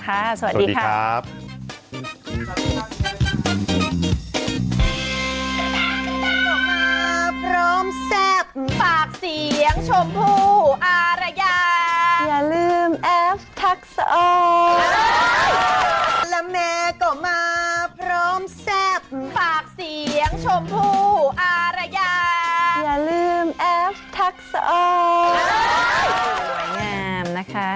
ค่ะสวัสดีครับสวัสดีครับ